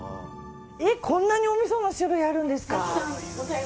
えっ、こんなにおみその種類があるんですか。